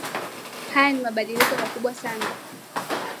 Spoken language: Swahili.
haya ni mabadiliko makubwa sana